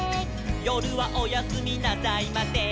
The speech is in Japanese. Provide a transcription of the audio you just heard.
「よるはおやすみなさいません」